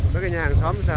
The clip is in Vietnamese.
mấy cái nhà hàng xóm sao